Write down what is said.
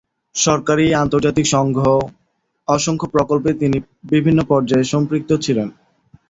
সরকারী, আন্তর্জাতিক সংঘ, অসংখ্য প্রকল্পে বিভিন্ন পর্যায়ে সম্পৃক্ত ছিলেন।